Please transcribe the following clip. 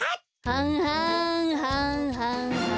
はんはんはんはんはん。